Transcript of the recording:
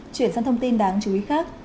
chuyển sang thông tin đáng chú ý khác